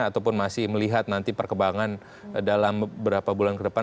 ataupun masih melihat nanti perkembangan dalam beberapa bulan ke depan